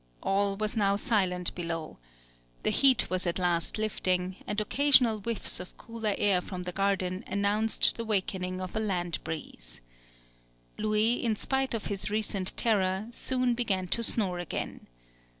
All was now silent below. The heat was at last lifting; and occasional whiffs of cooler air from the garden announced the wakening of a land breeze. Louis, in spite of his recent terror, soon began to snore again.